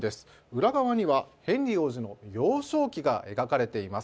裏側にはヘンリー王子の幼少期が描かれています。